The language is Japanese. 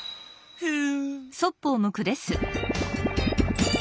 ふん！